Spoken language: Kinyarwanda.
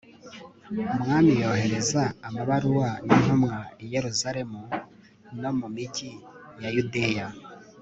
umwami yohereza amabaruwa n'intumwa i yeruzalemu no mu migi ya yudeya